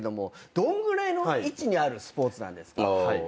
どんぐらいの位置にあるスポーツなんですか？